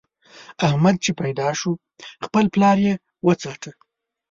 احمد چې پيدا شو؛ خپل پلار يې وڅاټه.